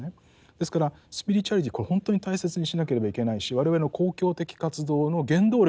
ですからスピリチュアリティこれ本当に大切にしなければいけないし我々の公共的活動の原動力になる場合もありますよね。